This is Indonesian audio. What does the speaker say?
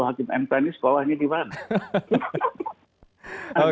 hakim mk ini sekolahnya di mana